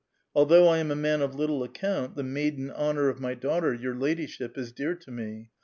Although I am a man of little account, the maiden honor of my daughter, your ladyship, is dear to me.